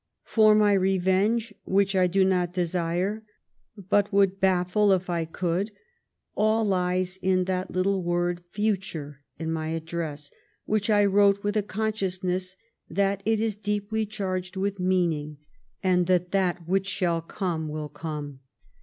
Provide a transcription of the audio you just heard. For my revenge, which I do not desire, but would baffle if I could, all lies in that little word 'future' in my address, which I wrote with a con sciousness that it is deeply charged with meaning, and that that which shall come will come.